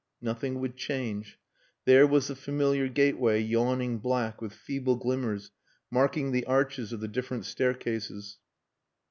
Nothing would change. There was the familiar gateway yawning black with feeble glimmers marking the arches of the different staircases.